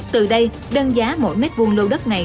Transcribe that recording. từ đây đơn giá mỗi mét vuông lô đất này